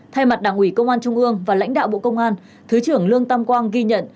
thay mặt đảng ủy công an trung ương và lãnh đạo bộ công an thứ trưởng lương tam quang ghi nhận